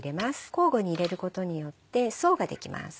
交互に入れることによって層ができます。